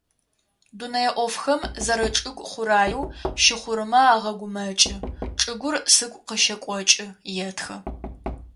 Дунэе Ӏофхэм, зэрэчӏыгу хъураеу щыхъурэмэ агъэгумэкӏы: «Чӏыгур сыгу къыщекӏокӏы»,- етхы.